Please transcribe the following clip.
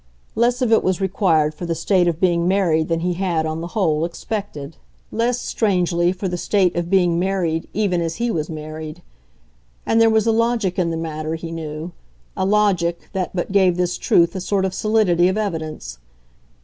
Less of it was required for the state of being married than he had, on the whole, expected; less, strangely, for the state of being married even as he was married. And there was a logic in the matter, he knew; a logic that but gave this truth a sort of solidity of evidence.